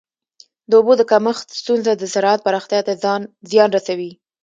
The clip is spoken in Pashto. د اوبو د کمښت ستونزه د زراعت پراختیا ته زیان رسوي.